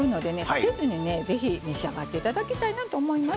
捨てずにね是非召し上がって頂きたいなと思います。